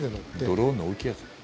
ドローンの大きいやつだ。